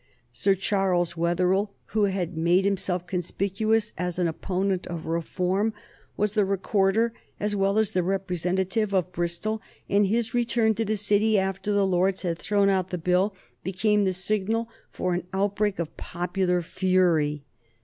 Sir Charles Wetherell, who had made himself conspicuous as an opponent of reform, was the Recorder as well as the representative of Bristol, and his return to the city after the Lords had thrown out the Bill became the signal for an outbreak of popular fury.